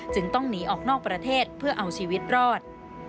ต้องหนีออกนอกประเทศเพื่อเอาชีวิตรอด